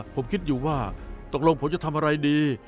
ผมคิดอยู่ว่าตกลงผมจะทำอะไรดี